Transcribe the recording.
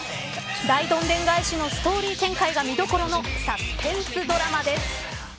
大どんでん返しのストーリー展開が見どころのサスペンスドラマです。